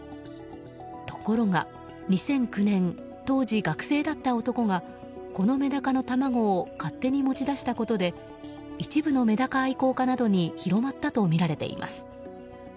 ところが２００９年当時学生だった男がこのメダカの卵を勝手に持ち出したことで一部のメダカ愛好家などに広まったとみられています。